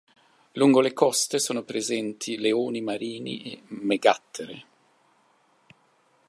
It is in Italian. Lungo le coste sono presenti leoni marini e megattere.